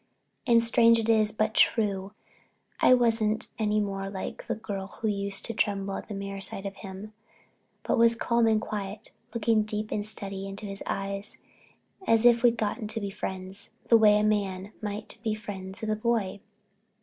And—strange it is, but true—I wasn't any more like the girl who used to tremble at the mere sight of him, but was calm and quiet, looking deep and steady into his eyes as if we'd got to be friends, the way a man might be friends with a boy.